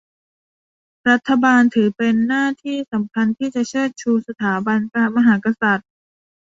รัฐบาลถือเป็นหน้าที่สำคัญที่จะเชิดชูสถาบันพระมหากษัตริย์